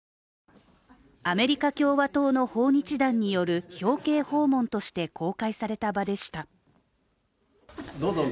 アメリカ共和党の訪日団による表敬訪問として公開された場でした。